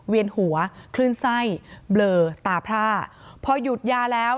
เวียนหัวคลื่นไส้เบลอตาพร่าพอหยุดยาแล้ว